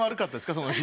その日。